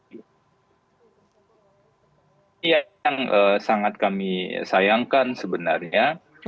ini yang sangat kami sayangkan sebenarnya